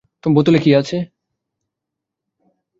বোতলে কী আছে?